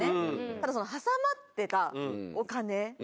ただ挟まってたお金。